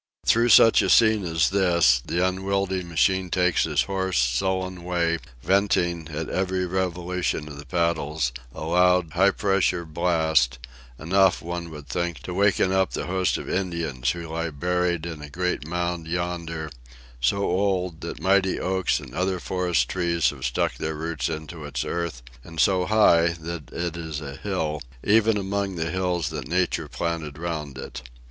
Through such a scene as this, the unwieldy machine takes its hoarse, sullen way: venting, at every revolution of the paddles, a loud high pressure blast; enough, one would think, to waken up the host of Indians who lie buried in a great mound yonder: so old, that mighty oaks and other forest trees have struck their roots into its earth; and so high, that it is a hill, even among the hills that Nature planted round it.